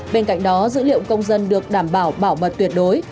bên cạnh đó dữ liệu công dân được đảm bảo bảo mật tuyệt đối